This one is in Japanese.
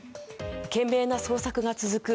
懸命な捜索が続く